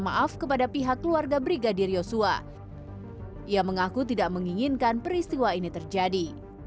maaf kepada pihak keluarga brigadir yosua ia mengaku tidak menginginkan peristiwa ini terjadi